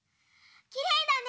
きれいだね！